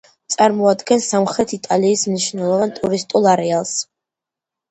წარმოადგენს სამხრეთ იტალიის მნიშვნელოვან ტურისტულ არეალს.